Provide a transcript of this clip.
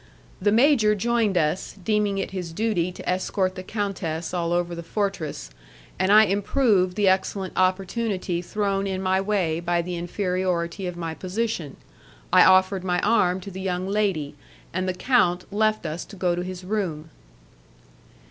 The major joined us, deeming it his duty to escort the countess all over the fortress, and I improved the excellent opportunity thrown in my way by the inferiority of my position; I offered my arm to the young lady, and the count left us to go to his room.